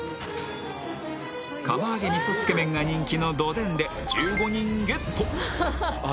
釜揚げ味噌つけ麺が人気のどでんで１５人ゲットあ